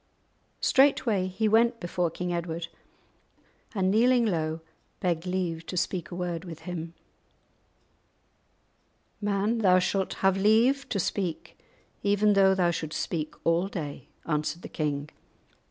Straightway he went before King Edward, and, kneeling low, begged leave to speak a word with him. "Man, thou shalt have leave to speak, even though thou shouldst speak all day," answered the king.